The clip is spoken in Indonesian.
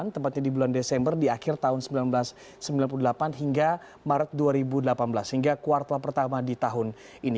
tempatnya di bulan desember di akhir tahun seribu sembilan ratus sembilan puluh delapan hingga maret dua ribu delapan belas hingga kuartal pertama di tahun ini